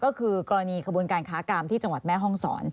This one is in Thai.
ก็คือกรณีขบวนการค้ากามที่จังหวัดแม่ห้องศร